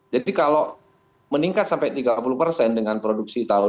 jadi kalau meningkat sampai tiga puluh dengan produksi tahun